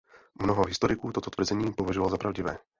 Mnoho historiků toto tvrzení považoval za pravdivé.